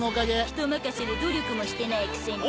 人任せで努力もしてないくせに。